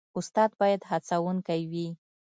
استاد باید هڅونکی وي